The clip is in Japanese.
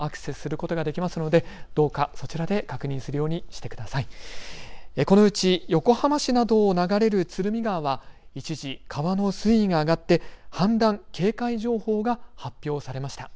このうち横浜市などを流れる鶴見川は一時、川の水位が上がって氾濫警戒情報が発表されました。